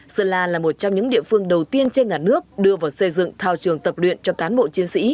sơn la là một trong những địa phương đầu tiên trên cả nước đưa vào xây dựng thao trường tập luyện cho cán bộ chiến sĩ